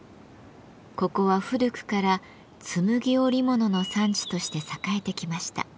ここは古くからつむぎ織物の産地として栄えてきました。